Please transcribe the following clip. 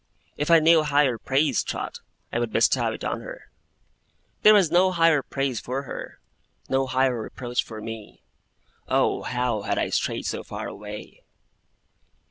If I knew higher praise, Trot, I would bestow it on her.' There was no higher praise for her; no higher reproach for me. Oh, how had I strayed so far away!